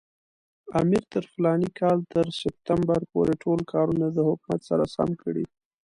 امیر تر فلاني کال تر سپټمبر پورې ټول کارونه د حکومت سره سم کړي.